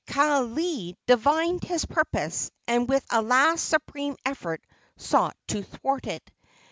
Kaaialii divined his purpose, and with a last supreme effort sought to thwart it.